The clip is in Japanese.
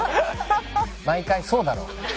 毎回そうだろ。